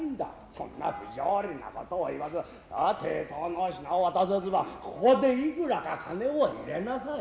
そんな不條理なことを言わず抵当の品を渡さずばここでいくらか金を入れなさい。